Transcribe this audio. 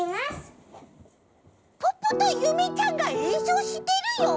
ポッポとゆめちゃんがえんそうしてるよ！